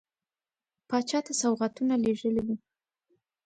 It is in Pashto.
پاچا ته سوغاتونه لېږلي وه.